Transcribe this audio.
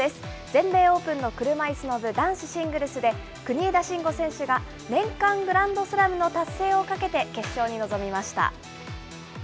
全米オープンの車いすの部、男子シングルスで、国枝慎吾選手が年間グランドスラムの達成をかけて決勝に臨みました。